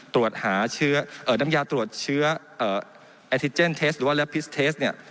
ตรวจหาเชื้อน้ำยาตรวจเชื้อเอธิเจนเทสต์หรือว่าเนี่ย